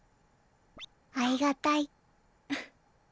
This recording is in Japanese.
あいがたい。